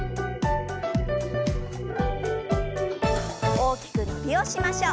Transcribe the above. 大きく伸びをしましょう。